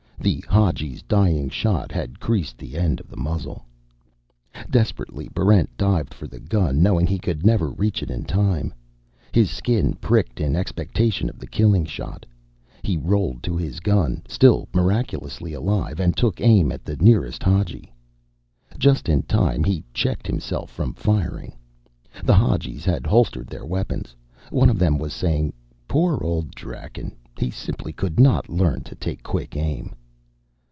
The Hadji's dying shot had creased the end of the muzzle. Desperately Barrent dived for the gun, knowing he could never reach it in time. His skin pricked in expectation of the killing shot. He rolled to his gun, still miraculously alive, and took aim at the nearest Hadji. Just in time, he checked himself from firing. The Hadjis had holstered their weapons. One of them was saying, "Poor old Draken. He simply could not learn to take quick aim."